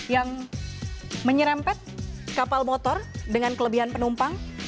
yang menyerempet kapal motor dengan kelebihan penumpang